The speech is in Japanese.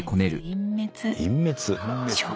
隠滅。